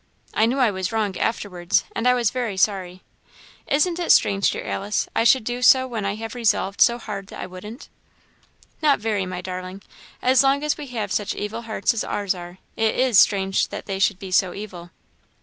I knew I was wrong, afterwards, and I was very sorry. Isn't it strange, dear Alice, I should do so when I have resolved so hard I wouldn't." "Not very, my darling, as long as we have such evil hearts as ours are it is strange they should be so evil."